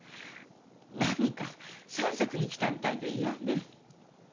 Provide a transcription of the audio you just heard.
何か催促に来たみたいで嫌で。